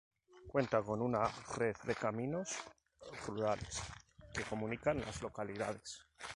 Cuenta con una red de caminos rurales que comunican las localidades.